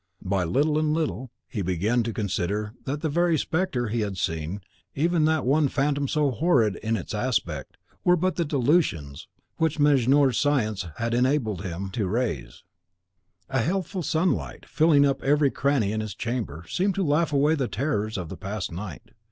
By little and little, he began to consider that the very spectra he had seen even that one phantom so horrid in its aspect were but the delusions which Mejnour's science had enable him to raise. The healthful sunlight, filling up every cranny in his chamber, seemed to laugh away the terrors of the past night.